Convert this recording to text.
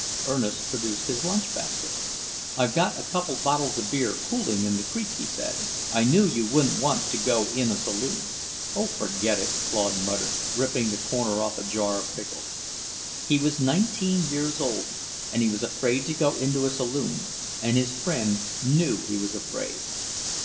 Ernest produced his lunch basket. "I got a couple bottles of beer cooling in the creek," he said. "I knew you wouldn't want to go in a saloon." "Oh, forget it!" Claude muttered, ripping the cover off a jar of pickles. He was nineteen years old, and he was afraid to go into a saloon, and his friend knew he was afraid.